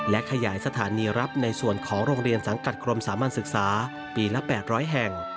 และขยายสถานีรับในส่วนของโรงเรียนสังกัดกรมสามัญศึกษาปีละ๘๐๐แห่ง